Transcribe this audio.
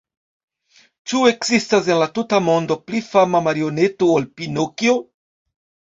Ĉu ekzistas, en la tuta mondo, pli fama marioneto ol Pinokjo?